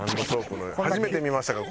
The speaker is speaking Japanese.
初めて見ましたか？